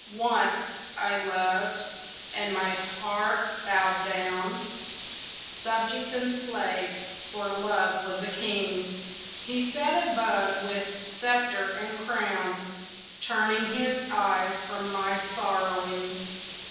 ONCE I loved, and my heart bowed down, Subject and slave, for Love was a King; He sat above with sceptre and crown, Turning his eyes from my sorrowing.